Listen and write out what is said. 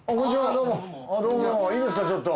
どうもいいですかちょっと。